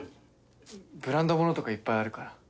ブランドものとかいっぱいあるから。